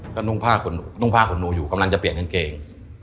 ก็นุ่งผ้าขนหนูอยู่กำลังจะเปลี่ยนกางเกง